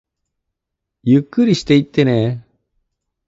ゆっくりしていってねー